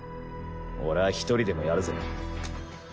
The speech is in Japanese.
俺は１人でもやるぜ。